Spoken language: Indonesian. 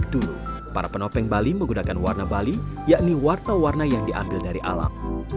dulu para penopeng bali menggunakan warna bali yakni warna warna yang diambil dari alam